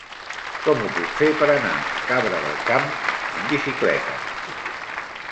Com ho puc fer per anar a Cabra del Camp amb bicicleta?